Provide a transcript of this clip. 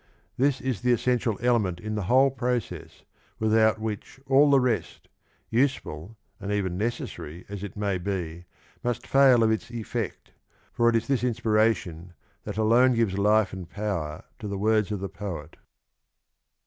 This is thr essential element in the whole process, without which ail the rest, useful and even necessary as it may he, must fail of its effect, for it is this inspiration that alone gives life and power to the words of tRe^oet.